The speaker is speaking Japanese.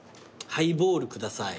ハイボール下さい。